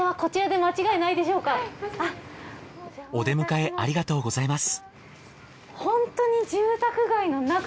お出迎えありがとうございます。